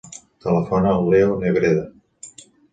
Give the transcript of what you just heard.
Telefona al Leo Nebreda.